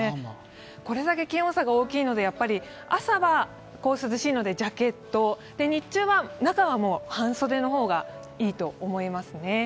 これだけ気温差が大きいので、朝は涼しいのでジャケット、日中は中は半袖の方がいいと思いますね。